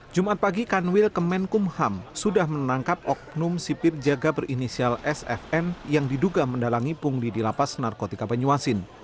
jumat pagi kanwil kemenkumham sudah menangkap oknum sipir jaga berinisial sfn yang diduga mendalangi pungli di lapas narkotika banyuasin